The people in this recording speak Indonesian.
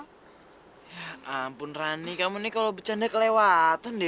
ya ampun ran kamu nih kalau bercanda kelewatan deh